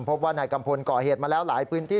พบว่านายกัมพลก่อเหตุมาแล้วหลายพื้นที่